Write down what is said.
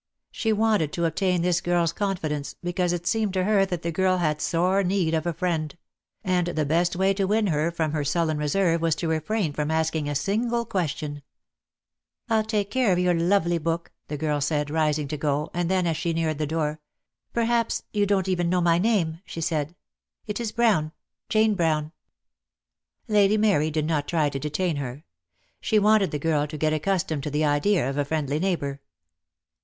She wanted to obtain this girl's confidence, because it seemed to her that the girl had sore need of a friend; and the best way to win her from her sullen reserve was to refrain from asking a single question. "I'll take care of your lovely book," the girl said, rising to go, and then, as she neared the door, "Perhaps you don't know even my name," she said. "It is Brown — Jane Brown." Lady Mary did not try to detain her. She wanted the girl to get accustomed to the idea of a friendly neighbour.